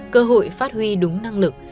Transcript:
cơ hội phát huy đúng năng lực